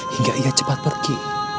hingga ia cepat pergi